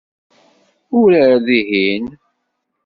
Urar dihin.